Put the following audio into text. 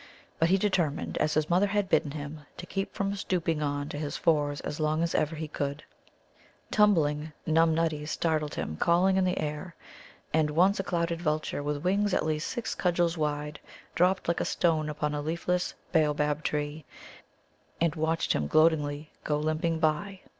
But he determined, as his mother had bidden him, to keep from stooping on to his fours as long as ever he could. Tumbling Numnuddies startled him, calling in the air. And once a clouded vulture with wings at least six cudgels wide dropped like a stone upon a leafless Bōōbab branch, and watched him gloatingly go limping by.